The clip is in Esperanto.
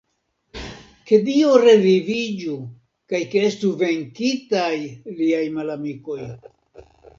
Ke Dio reviviĝu kaj ke estu venkitaj liaj malamikoj!